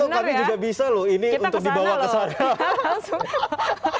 atau kami juga bisa loh ini untuk dibawa ke sana